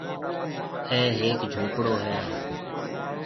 اَي هيََڪ جھونپڙو هيَ۔